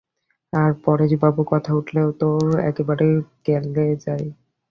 আর পরেশবাবুর কথা উঠলে ও তো একেবারে গলে যায়।